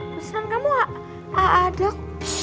pesanan kamu a a dok